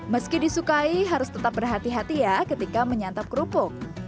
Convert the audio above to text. meski disukai harus tetap berhati hati ya ketika menyantap kerupuk